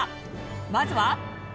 まずは。